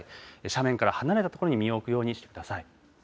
斜面から離れた所に身を置くようにしてください。